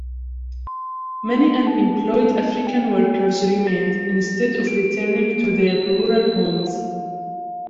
Many unemployed African workers remained, instead of returning to their rural homes.